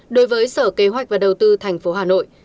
đối với sở kế hoạch và đầu tư tp hà nội